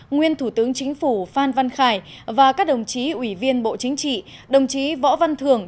nguyên thủ tướng chính phủ phan văn khải và các đồng chí ủy viên bộ chính trị đồng chí võ văn thường